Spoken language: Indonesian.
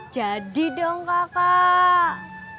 jadi dong kakak